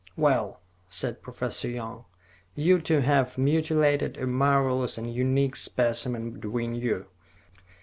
"Well," said Professor Young, "you two have mutilated a marvelous and unique specimen between you."